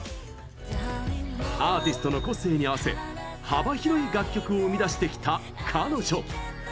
アーティストの個性に合わせ幅広い楽曲を生み出してきた彼女。